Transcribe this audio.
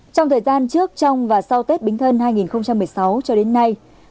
trong thời gian trước trong và sau tết bính thân hai nghìn một mươi sáu cho đến nay